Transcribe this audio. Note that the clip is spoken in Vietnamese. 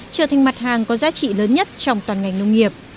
trở thành mặt hàng có giá trị lớn nhất trong toàn ngành nông nghiệp